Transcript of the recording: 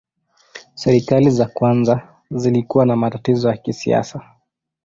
Serikali za kwanza zilikuwa na matatizo ya kisiasa.